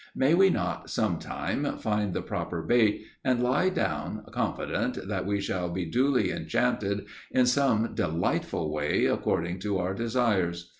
May we not, sometime, find the proper bait, and lie down confident that we shall be duly enchanted in some delightful way, according to our desires?